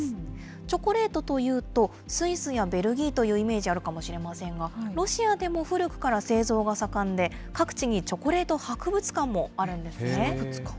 チョコレートというと、スイスやベルギーというイメージあるかもしれませんが、ロシアでも古くから製造が盛んで、各地にチョコレート博物館もあるんですね。